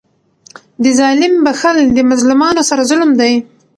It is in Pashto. د ظالم بخښل د مظلومانو سره ظلم دئ.